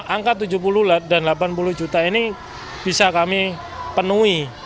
angka tujuh puluh dan delapan puluh juta ini bisa kami penuhi